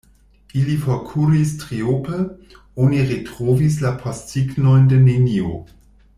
Ili forkuris triope: oni retrovis la postsignojn de neniu.